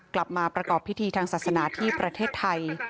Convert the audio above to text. กลับมาประกอบพิธีทางศาสนาที่ประเทศไทย